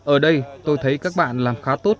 ở đây tôi thấy các bạn làm khá tốt